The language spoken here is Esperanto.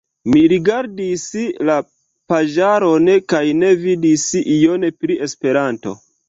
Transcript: Mi rigardis la paĝaron kaj ne vidis ion pri Esperanto.